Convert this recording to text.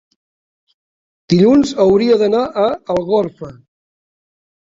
Dilluns hauria d'anar a Algorfa.